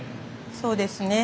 そうですね。